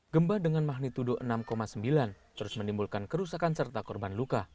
gempa dengan magnitudo enam sembilan terus menimbulkan kerusakan serta korban luka